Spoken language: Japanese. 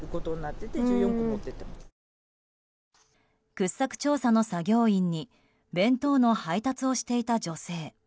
掘削調査の作業員に弁当の配達をしていた女性。